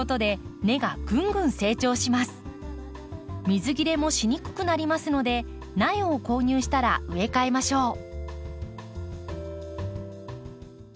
水切れもしにくくなりますので苗を購入したら植え替えましょう。